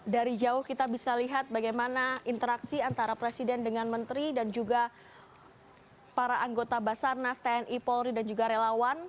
dari jauh kita bisa lihat bagaimana interaksi antara presiden dengan menteri dan juga para anggota basarnas tni polri dan juga relawan